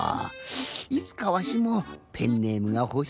いつかわしもペンネームがほしいなって。